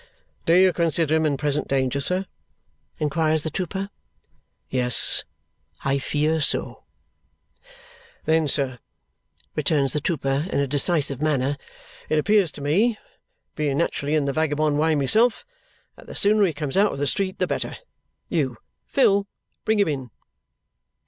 "Do you consider him in present danger, sir?" inquires the trooper. "Yes, I fear so." "Then, sir," returns the trooper in a decisive manner, "it appears to me being naturally in the vagabond way myself that the sooner he comes out of the street, the better. You, Phil! Bring him in!"